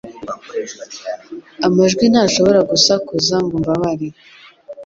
Amajwi ntashobora gusakuza ngo mbabare